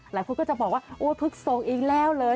หลายคนก็จะบอกว่าพฤกษกอีกแล้วเหรอ